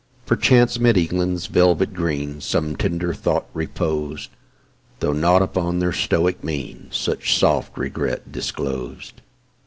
Perchance 'mid England's velvet green Some tender thought repos'd, Though nought upon their stoic mien Such soft regret disclos'd.